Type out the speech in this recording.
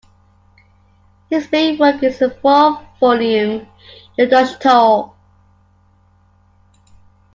His main work is the four-volume "Yoddoshtho".